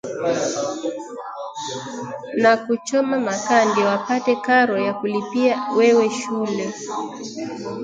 na kuchoma makaa ndio apate karo ya kukulipia wewe shuleni